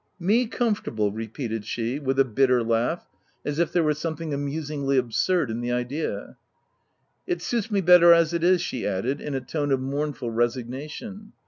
" Me comfortable \" repeated she, with a bitter laugh, as if there were something amus ingly absurd in the idea. " It suits me better as it is/' she added in a tone of mournful re signation.